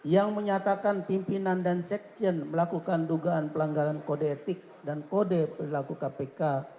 yang menyatakan pimpinan dan sekjen melakukan dugaan pelanggaran kode etik dan kode perilaku kpk